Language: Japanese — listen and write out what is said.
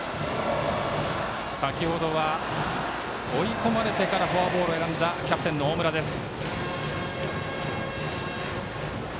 先ほどは追い込まれてからフォアボールを選んだキャプテンの大村です。